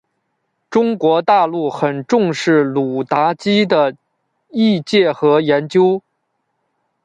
中国大陆很重视鲁达基的译介和研究。